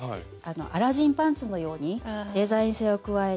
アラジンパンツのようにデザイン性を加えて。